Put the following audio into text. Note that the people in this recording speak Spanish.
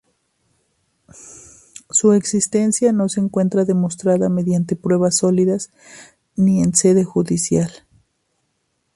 Su existencia no se encuentra demostrada mediante pruebas sólidas ni en sede judicial.